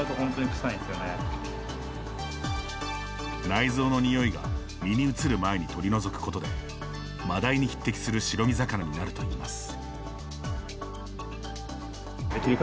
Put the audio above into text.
内臓の匂いが身に移る前に取り除くことでマダイに匹敵する白身魚になるといいます。